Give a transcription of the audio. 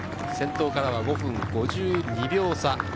先頭からは５分５２秒差。